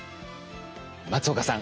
松岡さん